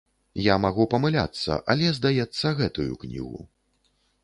Я магу памыляцца, але, здаецца, гэтую кнігу.